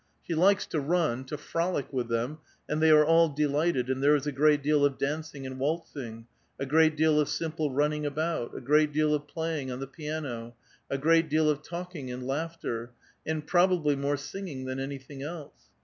8he likes to run, to frolic with them, and they are all delighted, and there is a great deal of dancing and waltzing, a great deal of simple running about, a great deal of playing on the piano, a great deal of talking and laughter, and probably more singing than anything else.